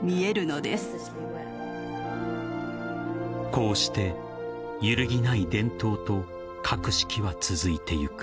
こうして揺るぎない伝統と格式は続いていく。